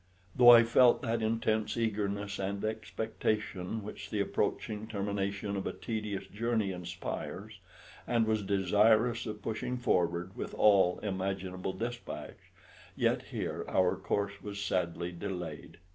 Though I felt that intense eagerness and expectation which the approaching termination of a tedious journey inspires, and was desirous of pushing forward with all imaginable despatch, yet here our course was sadly delayed.